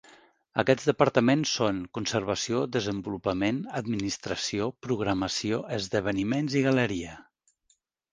Aquests departaments són: Conservació, Desenvolupament, Administració, Programació, Esdeveniments i Galeria.